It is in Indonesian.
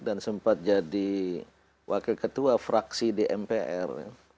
dan sempat jadi wakil ketua fraksi di mpr